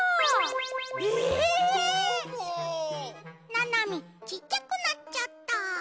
ななみちっちゃくなっちゃった。